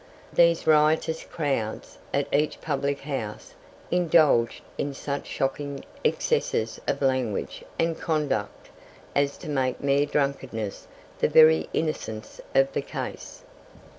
These riotous crowds, at each public house, indulged in such shocking excesses of language and conduct as to make mere drunkenness the very innocence of the case.